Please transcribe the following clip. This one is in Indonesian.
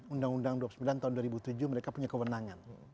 undang undang dua puluh sembilan tahun dua ribu tujuh mereka punya kewenangan